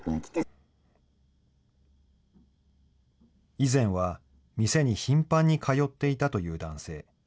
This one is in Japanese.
以前は店に頻繁に通っていたという男性。